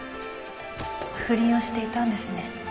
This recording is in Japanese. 不倫をしていたんですね